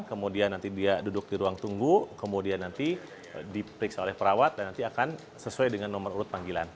kemudian nanti dia duduk di ruang tunggu kemudian nanti diperiksa oleh perawat dan nanti akan sesuai dengan nomor urut panggilan